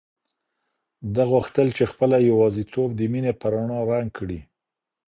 ده غوښتل چې خپله یوازیتوب د مینې په رڼا رنګ کړي.